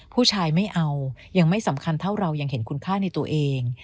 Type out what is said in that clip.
ผู้ชายไม่เอายังไม่สำคัญเท่าเรายังเห็นคุณค่าในตัวเอง